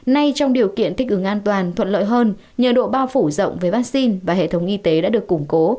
nay trong điều kiện thích ứng an toàn thuận lợi hơn nhờ độ bao phủ rộng với vaccine và hệ thống y tế đã được củng cố